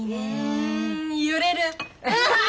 うん揺れる。